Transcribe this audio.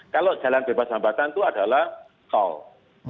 kalau jalan bebas hambatan itu adalah tol